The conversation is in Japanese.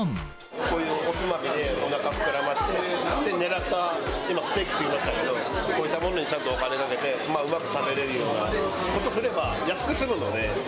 こういうおつまみでおなか膨らませて、狙った今、ステーキ切りましたけど、こういったものにちゃんとお金かけて、うまく食べれるようにすれば、安く済むので。